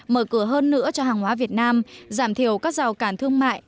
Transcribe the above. mở cửa hơn nữa cho hàng hóa việt nam giảm thiểu các rào cản thương mại